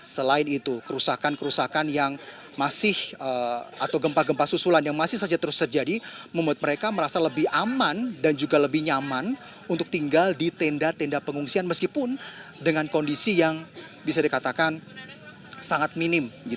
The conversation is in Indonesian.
selain itu kerusakan kerusakan yang masih atau gempa gempa susulan yang masih saja terus terjadi membuat mereka merasa lebih aman dan juga lebih nyaman untuk tinggal di tenda tenda pengungsian meskipun dengan kondisi yang bisa dikatakan sangat minim